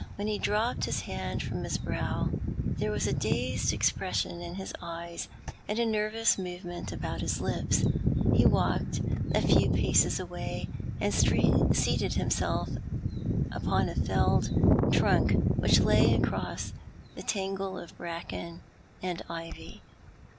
When he dropped his hand from his brow there was a dazed expression in his eyes, and a nervous movement about his lips. He walked a few paces away, and seated himself upon a felled trunk which lay across the tangle of bracken and ivy.